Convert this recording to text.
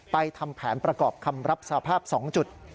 ทำแผนประกอบคำรับสภาพ๒จุด